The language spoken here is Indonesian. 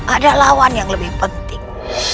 ada lawan yang lebih penting